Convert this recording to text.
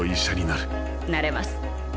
なれます。